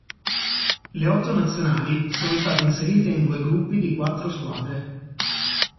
Le otto nazionali sono state inserite in due gruppi di quattro squadre.